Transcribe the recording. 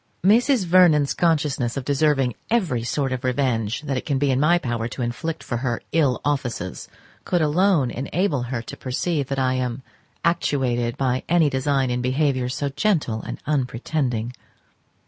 Mrs. Vernon's consciousness of deserving every sort of revenge that it can be in my power to inflict for her ill offices could alone enable her to perceive that I am actuated by any design in behaviour so gentle and unpretending.